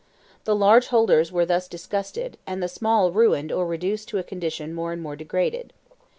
The large holders were thus disgusted, and the small ruined or reduced to a condition more and more degraded.